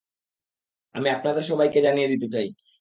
আমি আপনাদের সবাইকে জানিয়ে দিতে চাই।